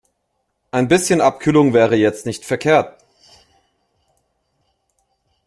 Ein bisschen Abkühlung wäre jetzt nicht verkehrt.